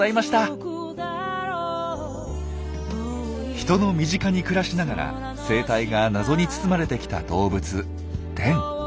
人の身近に暮らしながら生態が謎に包まれてきた動物テン。